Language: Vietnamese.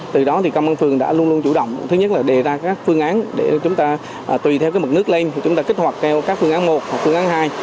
từ đó thì công an phường đã luôn luôn chủ động thứ nhất là đề ra các phương án để chúng ta tùy theo mực nước lên chúng ta kích hoạt theo các phương án một hoặc phương án hai